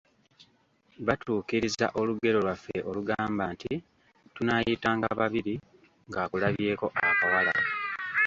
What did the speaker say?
Batuukiriza olugero lwaffe olugamba nti, “Tunaayitanga babiri ng'akulabyeko akawala.”